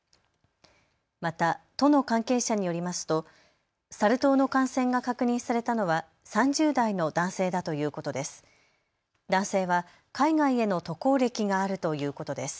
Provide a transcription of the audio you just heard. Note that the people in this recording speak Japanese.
また都の関係者によりますとサル痘の感染が確認されたのは３０代の男性だということです。